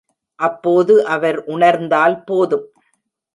அப்போது அவர் உணர்ந்தால் போதும்.